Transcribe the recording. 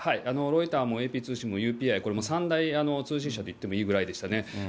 ロイターもＡＰも、ＵＰＩ、これも３大通信社といってもいいぐらいでしたね。